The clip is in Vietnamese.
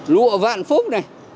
lụa vạn phúc này